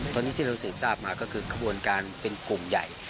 ตอนนี้ที่เราสืบทราบมาก็คือขบวนการเป็นกลุ่มใหญ่